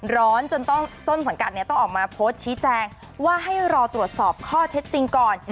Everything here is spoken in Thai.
ร้อนจนต้นสังกัดเนี่ยต้องออกมาโพสต์ชี้แจงว่าให้รอตรวจสอบข้อเท็จจริงก่อน